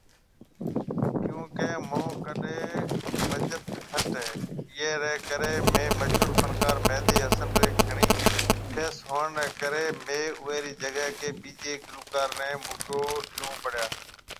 ڪيونڪي مونهه ڪڍي بجٽ گھٽ هي ايئي ري ڪري ميهه مشهور فنڪار مهندي حسن رِي گھڻي فيس هوئڻ ري ڪري ميهه اوئي ري جگه ڪي ٻيجي گلوڪار ني موقعو ڏيون پڙيا۔